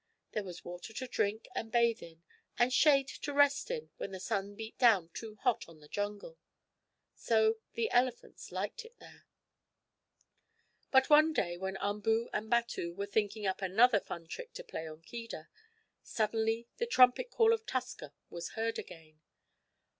There was water to drink and bathe in, and shade to rest in when the sun beat down too hot on the jungle. So the elephants liked it there. But one day when Umboo and Batu were thinking up another fun trick to play on Keedah, suddenly the trumpet call of Tusker was heard again.